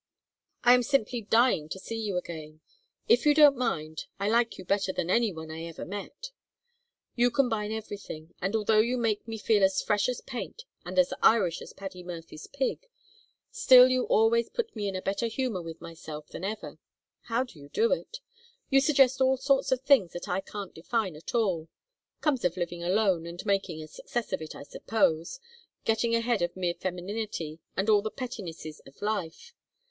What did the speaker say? "I am simply dying to see you again. If you don't mind I like you better than any one I ever met. You combine everything, and although you make me feel as fresh as paint and as Irish as Paddy Murphy's pig, still you always put me in a better humor with myself than ever. How do you do it? You suggest all sorts of things that I can't define at all. Comes of living alone and making a success of it, I suppose, getting ahead of mere femininity and all the pettinesses of life.